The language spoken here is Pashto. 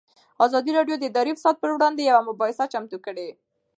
ازادي راډیو د اداري فساد پر وړاندې یوه مباحثه چمتو کړې.